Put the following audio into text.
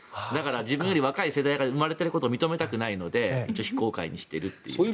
だから自分より若い世代が生まれていることを認めたくないので非公開にしているという。